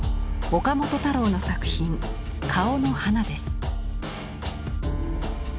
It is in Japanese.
岡本太郎の作品「顔の花」です。